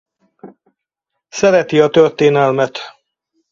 Szereti a történelmet.